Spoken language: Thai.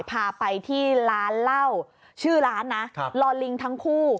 พาไปที่ร้านเหล้าชื่อร้านนะลอลิงทั้งคู่